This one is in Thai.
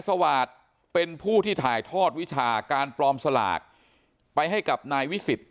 สวาสตร์เป็นผู้ที่ถ่ายทอดวิชาการปลอมสลากไปให้กับนายวิสิทธิ